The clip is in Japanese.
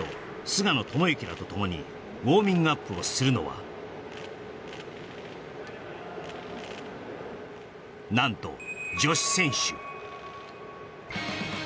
菅野智之らとともにウォーミングアップをするのはなんと女子選手